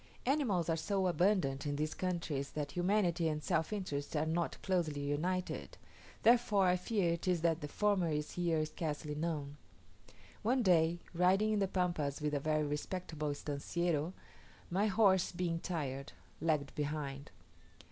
Animals are so abundant in these countries, that humanity and self interest are not closely united; therefore I fear it is that the former is here scarcely known. One day, riding in the Pampas with a very respectable "estanciero," my horse, being tired, lagged behind.